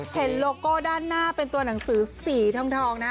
โลโก้ด้านหน้าเป็นตัวหนังสือสีทองนะ